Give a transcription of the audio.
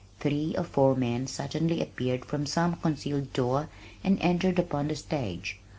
Three or four men suddenly appeared from some concealed door and entered upon the stage.